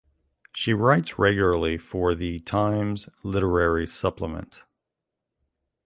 She writes regularly for the Times Literary Supplement.